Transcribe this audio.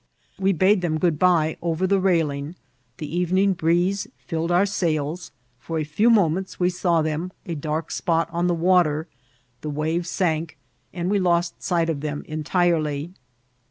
We bade them' good by over the railing ; the evening breeze filled our sails ; for a few moments we saw them, a dark spot on the water ; the wave sank, and we lost sight of them en tirely.